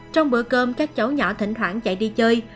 trong bữa cơm các cháu nhỏ thỉnh thoảng chạy đi chơi